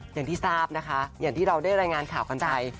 อย่างที่ทราบนะคะอย่างที่เราได้รายงานข่าวกันไป